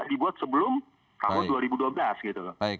dibuat sebelum tahun dua ribu dua belas gitu loh